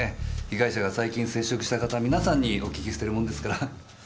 被害者が最近接触した方みなさんにお訊きしているものですから。